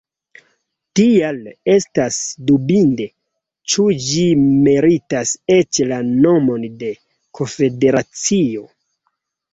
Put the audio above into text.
Tial estas dubinde, ĉu ĝi meritas eĉ la nomon de konfederacio.